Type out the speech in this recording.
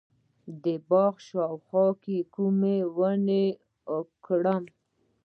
د باغ شاوخوا کومې ونې وکرم؟